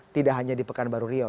tidak hanya di pekanbaru riau